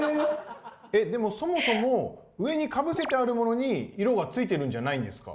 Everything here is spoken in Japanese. ⁉でもそもそも上にかぶせてあるものに色がついてるんじゃないんですか？